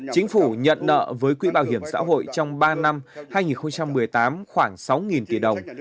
chính phủ nhận nợ với quỹ bảo hiểm xã hội trong ba năm hai nghìn một mươi tám khoảng sáu tỷ đồng